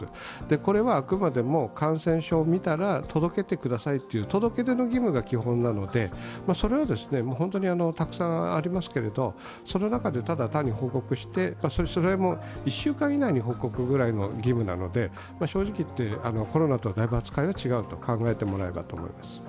これはあくまでも感染症を見たら届けてくださいという届け出の義務が基本なのでそれは本当にたくさんありますけれど、その中でただ単に報告して１週間以内に報告ぐらいの義務なので正直言ってコロナとは扱いがだいぶ違うと考えてもらえればと思います。